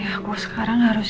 aku sekarang harus